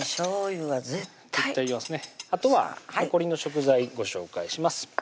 あとは残りの食材ご紹介します